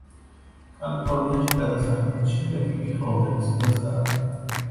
კალიფორნიაში გადასახლების შემდეგ იგი ხელოვნების გზას დაადგა.